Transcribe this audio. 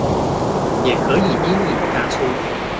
也可以陰影加粗